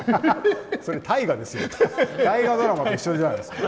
それ大河ドラマと一緒じゃないですか。